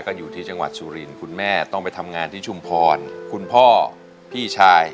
ก็อยู่ที่จังหวัดสุรินทร์คุณแม่ต้องไปทำงานที่ชุมพรคุณพ่อพี่ชาย